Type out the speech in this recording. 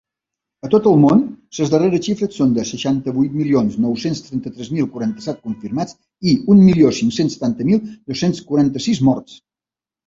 A tot el món, les darreres xifres són de seixanta-vuit milions nou-cents trenta-tres mil quaranta-set confirmats i un milió cinc-cents setanta mil dos-cents quaranta-sis morts.